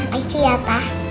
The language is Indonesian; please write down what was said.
makasih ya pak